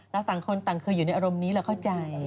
ต่างคนต่างเคยอยู่ในอารมณ์นี้เราเข้าใจ